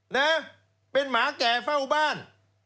นะเป็นหมาแก่เฝ้าบ้าน